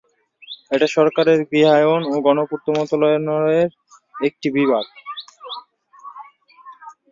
এটি সরকারের গৃহায়ন ও গণপূর্ত মন্ত্রণালয়ের একটি বিভাগ।